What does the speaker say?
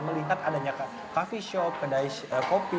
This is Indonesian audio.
melihat adanya coffee shop kedai kopi